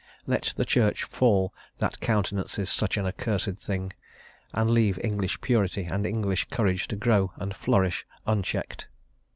Let the Church fall that countenances such an accursed thing, and leave English purity and English courage to grow and flourish unchecked.